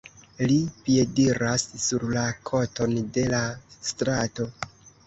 Li piediras sur la koton de la strato.